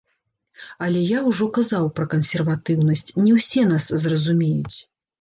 Але я ўжо казаў пра кансерватыўнасць, не ўсе нас зразумеюць.